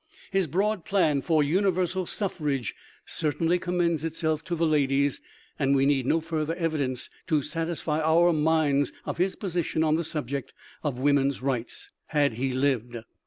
His broad plan for universal suffrage certainly commends itself to the ladies, and we need no further evidence to satisfy our minds of his posi tion on the subject of " Woman's Rights," had he lived.